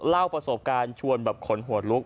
เล่าประสบการณ์ชวนแบบขนหัวลุก